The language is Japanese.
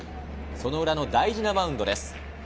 この裏の大事なマウンドです。